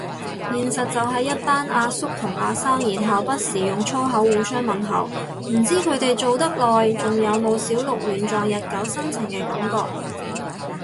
現實就係一班阿叔同阿生，然後不時用粗口互相問候，唔知佢哋做得耐仲有冇小鹿亂撞日久生情嘅感覺